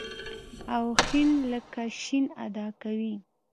او ښ لکه ش ادا کوي.